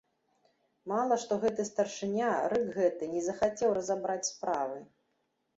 Мала што гэты старшыня, рык гэты, не захацеў разабраць справы.